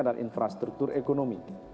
adalah infrastruktur ekonomi